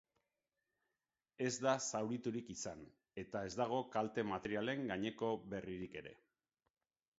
Ez da zauriturik izan, eta ez dago kalte materialen gaineko berririk ere.